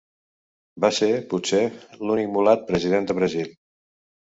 Va ser, potser, l'únic mulat president de Brasil.